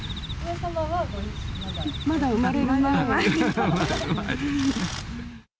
まだ生まれる前でした。